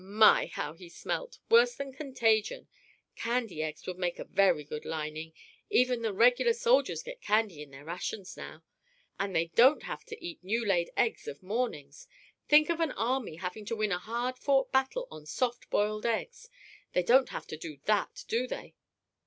My! how he smelt worse than contagion! Candy eggs would make a very good lining; even the regular soldiers get candy in their rations now. And they don't have to eat new laid eggs of mornings! Think of an army having to win a hard fought battle on soft boiled eggs! They don't have to do that, do they?"